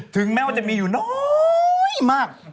ถึงแม้ว่าจะมีอยู่น้อยมาก